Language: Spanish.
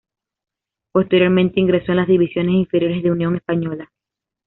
Posteriormente, ingresó en las divisiones inferiores de Unión Española.